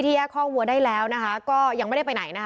ที่แยกข้องวัวได้แล้วก็ยังไม่ได้ไปไหน